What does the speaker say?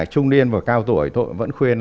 trung niên và cao tuổi tôi vẫn khuyên